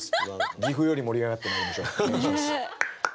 岐阜より盛り上がってまいりましょう。